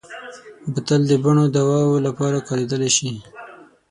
بوتل د بڼو دواوو لپاره کارېدلی شي.